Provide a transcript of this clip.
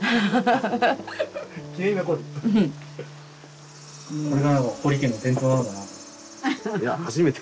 これが堀家の伝統なのかなって。